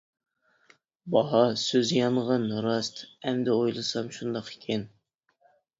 باھا سۆز يانغىن راست ئەمدى ئويلىسام شۇنداق ئىكەن.